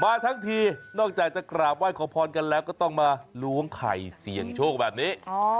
มาทั้งทีนอกจากจะกราบไห้ขอพรกันแล้วก็ต้องมาล้วงไข่เสี่ยงโชคแบบนี้